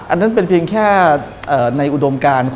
อันนั้นเป็นเพียงแค่ในอุดมการ